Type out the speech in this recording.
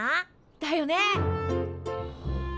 だよね！